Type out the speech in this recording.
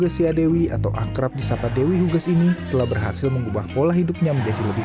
siadewi atau akrab di sapa dewi hugas ini telah berhasil mengubah pola hidupnya menjadi lebih